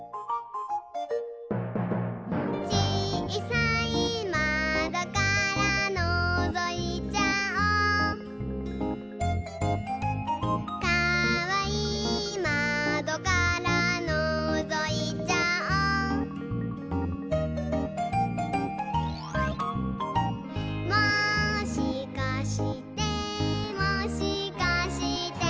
「ちいさいまどからのぞいちゃおう」「かわいいまどからのぞいちゃおう」「もしかしてもしかして」